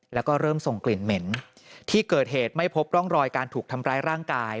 แล้วก็เริ่มส่งกลิ่นเหม็นที่เกิดเหตุไม่พบร่องรอยการถูกทำร้ายร่างกาย